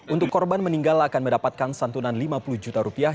untuk korban meninggal akan mendapatkan santunan lima puluh juta rupiah